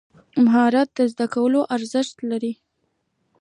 مهارت زده کول ارزښت لري.